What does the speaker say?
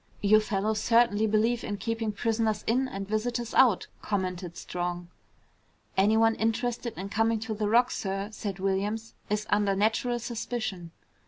"You fellows certainly believe in keeping prisoners in and visitors out!" commented Strong. "Anyone interested in coming to the Rock, sir," said Williams, "is under natural suspicion."